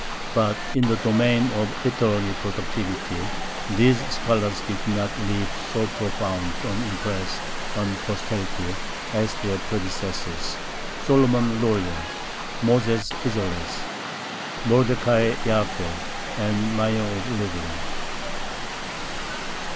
But in the domain of literary productivity these scholars did not leave so profound an impress on posterity as their predecessors, Solomon Luria, Moses Isserles, Mordecai Jaffe, and Meïr of Lublin.